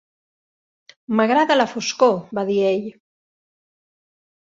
"M'agrada la foscor", va dir ell.